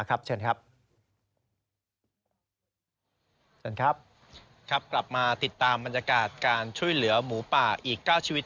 กลับมาติดตามรายงานการช่วยเหลือหมูป่าอีก๙ชีวิต